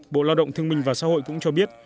bộ lao động thương minh và xã hội cũng cho biết